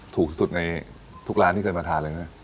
ถูกสุดในทุกร้านที่เคยมาทานเลยนะ